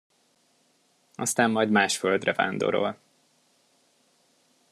Aztán majd más földre vándorol.